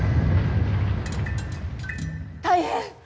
大変！